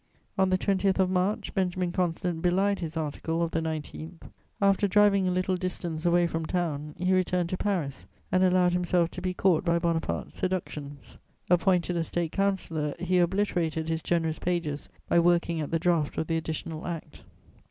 On the 20th of March, Benjamin Constant belied his article of the 19th. After driving a little distance away from town, he returned to Paris and allowed himself to be caught by Bonaparte's seductions. Appointed a State councillor, he obliterated his generous pages by working at the draft of the Additional Act.